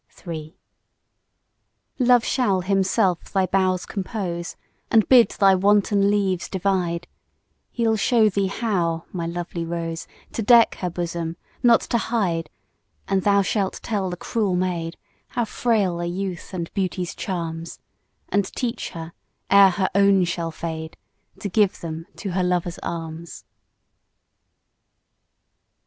III. Love shall himself thy boughs compose, And bid thy wanton leaves divide; He'll show thee how, my lovely rose, To deck her bosom, not to hide: And thou shalt tell the cruel maid How frail are youth and beauty's charms, And teach her, ere her own shall fade, To give them to her lover's arms.